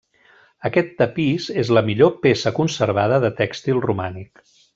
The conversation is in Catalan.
Aquest tapís és la millor peça conservada de tèxtil romànic.